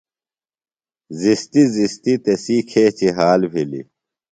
زِستیۡ زِستیۡ تسی کھیچیۡ حال بِھلیۡ۔